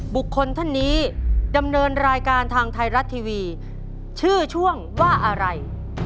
ท่านนี้ดำเนินรายการทางไทยรัฐทีวีชื่อช่วงว่าอะไร